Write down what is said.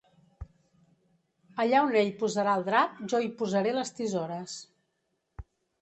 Allà on ell posarà el drap, jo hi posaré les tisores.